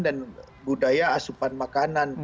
dan budaya asupan makanan